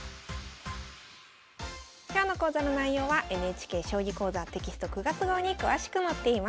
今日の講座の内容はＮＨＫ「将棋講座」テキスト９月号に詳しく載っています。